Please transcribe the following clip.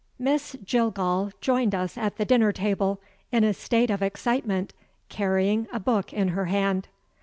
Miss Jillgall joined us at the dinner table, in a state of excitement, carrying a book in her hand.